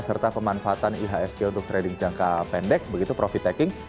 serta pemanfaatan ihsg untuk trading jangka pendek begitu profit taking